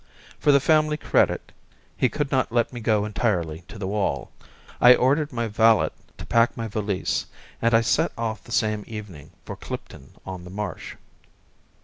For the family credit he could not let me go entirely to the wall. I ordered my valet to pack my valise, and I set off the same evening for Clipton on the Marsh.